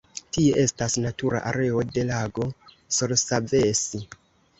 Tie estas natura areo de lago Sorsavesi.